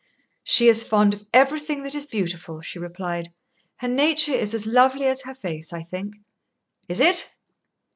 "She is fond of everything that is beautiful," she replied. "Her nature is as lovely as her face, I think." "Is it?"